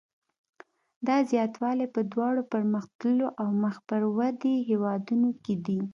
دا زیاتوالی په دواړو پرمختللو او مخ پر ودې هېوادونو کې دی.